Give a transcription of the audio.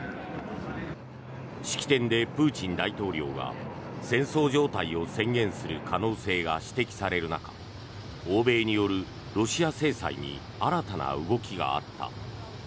式典でプーチン大統領が戦争状態を宣言する可能性が指摘される中欧米によるロシア制裁に新たな動きがあった。